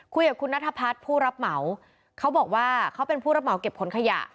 คุยกับคุณนัทพัฒน์ผู้รับเหมาเขาบอกว่าเขาเป็นผู้รับเหมาเก็บขนขยะ